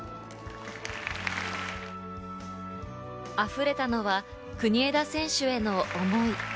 溢れたのは国枝選手への思い。